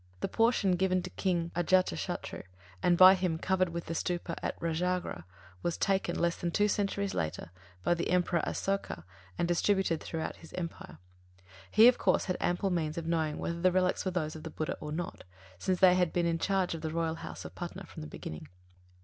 The portion given to King Ajātashatru, and by him covered with a stūpa at Rājagrha, was taken, less than two centuries later, by the Emperor Asoka and distributed throughout his Empire. He, of course, had ample means of knowing whether the relics were those of the Buddha or not, since they had been in charge of the royal house of Patna from the beginning.